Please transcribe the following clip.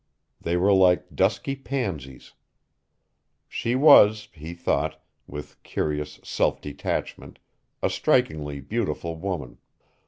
They were like dusky pansies. She was, he thought, with curious self detachment, a strikingly beautiful woman.